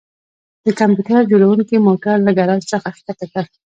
د کمپیوټر جوړونکي موټر له ګراج څخه ښکته کړ